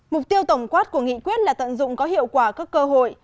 mục tiêu tổng quát của nghị quyết là tận dụng có hiệu quả các cơ hội